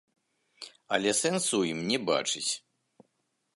Але сэнсу ў ім не бачыць.